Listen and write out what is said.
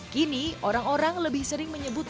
kini orang orang lebih sering menyebut